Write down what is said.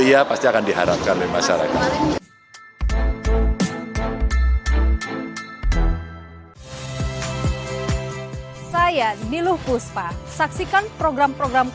iya pasti akan diharapkan oleh masyarakat saya dilukus pak saksikan program programnya